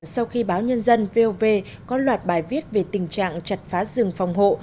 sau khi báo nhân dân vov có loạt bài viết về tình trạng chặt phá rừng phòng hộ